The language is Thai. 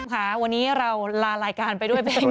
ค่ะวันนี้เราลารายการไปด้วยเพลง